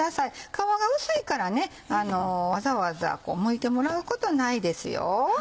皮が薄いからわざわざむいてもらうことないですよ。